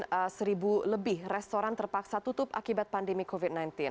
sekitar seribu lebih restoran terpaksa tutup akibat pandemi covid sembilan belas